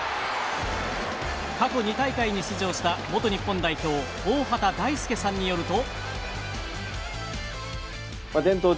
過去２大会に出場した元日本代表大畑大介さんによると。